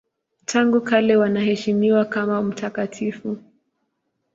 Tangu kale wanaheshimiwa kama mtakatifu.